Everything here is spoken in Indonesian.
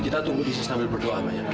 kita tunggu di sistem berdoa ya